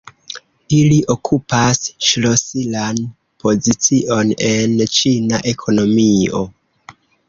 Ili okupas ŝlosilan pozicion en Ĉina ekonomio.